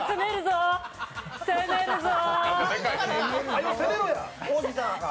攻めるぞ。